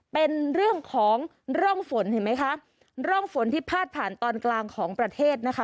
เป็นเรื่องของร่องฝนเห็นไหมคะร่องฝนที่พาดผ่านตอนกลางของประเทศนะคะ